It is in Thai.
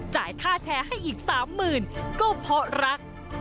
จ่ายค่าแชร์ให้อีก๓๐๐๐ก็เพราะรัก